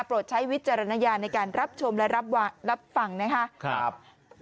ใช้วิจารณญาณในการรับชมและรับฟังนะครับ